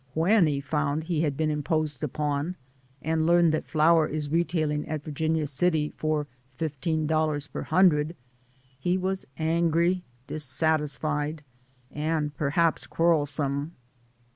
When he found he had been imposed upon and learned that flour is retailing at Vir ginia City for $15 per hundred, he was angry, dissatisfied, and perhaps quarrelsome.